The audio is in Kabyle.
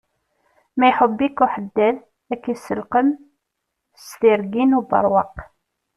Ma iḥubb-ik uḥeddad, ak iselqem s tirgin ubeṛwaq.